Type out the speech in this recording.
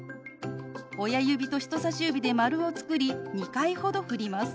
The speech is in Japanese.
親指と人さし指で丸を作り２回ほどふります。